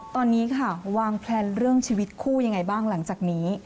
ตอนนี้ค่ะวางแพลนเรื่องชีวิตคู่ยังไงบ้างหลังจากนี้